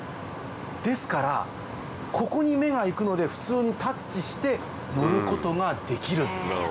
ですからここに目がいくので普通にタッチして乗ることができる。